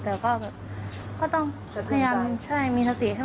แต่ก็ต้องพยายามมีสติใช่ไหม